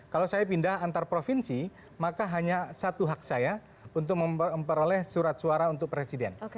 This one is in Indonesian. kalau saya pindah antar provinsi maka hanya satu hak saya untuk memperoleh surat suara untuk presiden